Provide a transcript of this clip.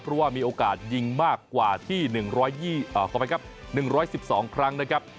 เพราะว่ามีโอกาสยิงมากกว่าที่๑๑๒ครั้งนะครับ